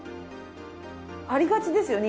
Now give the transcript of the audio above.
ありがちですよね